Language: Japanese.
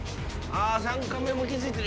３カメも気付いてる。